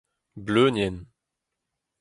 bleunienn